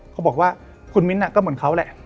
เขาบอกว่าคุณมิ้นท์ก็เหมือนเขาแหละ